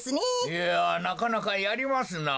いやなかなかやりますな。